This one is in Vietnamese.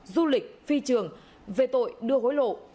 du lịch phi trường về tội đưa hối lộ